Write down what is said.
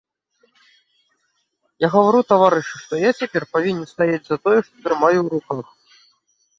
Я гавару, таварышы, што я цяпер павінен стаяць за тое, што трымаю ў руках!